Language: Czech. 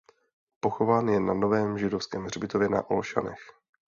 Pochován je na Novém židovském hřbitově na Olšanech.